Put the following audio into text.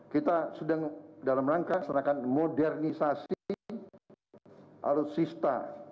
kita sedang dalam rangka senakan modernisasi alutsista